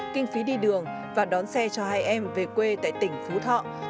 kinh phí đi đường và đón xe cho hai em về quê tại tỉnh phú thọ